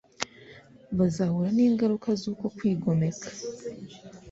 bazahura n'ingaruka z'uko kwigomeka